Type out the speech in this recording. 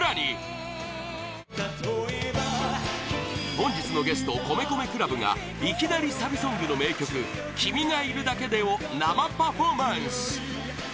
本日のゲスト、米米ＣＬＵＢがいきなりサビソングの名曲「君がいるだけで」を生パフォーマンス